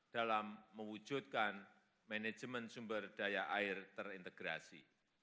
dalam mewujudkan manajemen sumber daya air terintegrasi